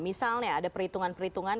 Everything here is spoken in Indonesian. misalnya ada perhitungan perhitungan